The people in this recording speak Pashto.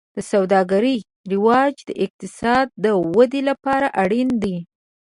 د سوداګرۍ رواج د اقتصاد د ودې لپاره اړین دی.